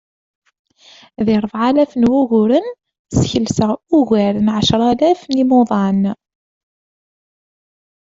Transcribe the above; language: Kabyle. Di rebɛa n wugguren, skelsen ugar n ɛecralaf n yimuḍan.